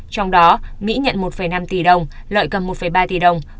trong đó mỹ nhận một năm tỷ đồng lợi cầm một ba tỷ đồng